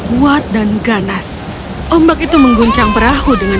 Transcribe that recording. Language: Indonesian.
polisi tidak lagi dapat menolak elements tapi semuanya masuk membran